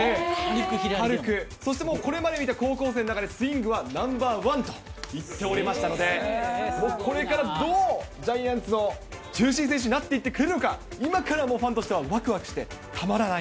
そしてもう、これまで見た高校生の中でスイングはナンバー１と言っておりましたので、もうこれから、どうジャイアンツの中心選手になっていってくれるのか、今からファンとしてはわくわくしてたまらない。